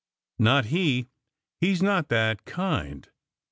Not he! He s not that kind.